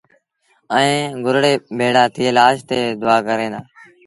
ائيٚݩ گُرڙي ڀيڙآ ٿئي لآش تي دئآ ڪريݩ دآ